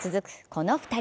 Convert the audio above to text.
この２人。